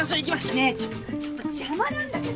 ねえちょっと邪魔なんだけど。